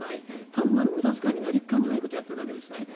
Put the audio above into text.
単なる無駄遣いになりかねないことをやっているわけですね。